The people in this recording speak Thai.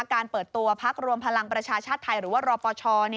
การเปิดตัวพักรวมพลังประชาชาติไทยหรือว่ารอปช